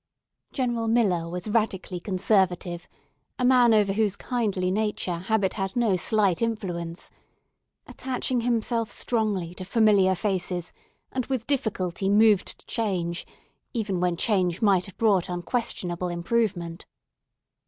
General Miller was radically conservative; a man over whose kindly nature habit had no slight influence; attaching himself strongly to familiar faces, and with difficulty moved to change, even when change might have brought unquestionable improvement.